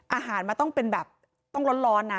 อาหารมาต้องไปร้อนนะ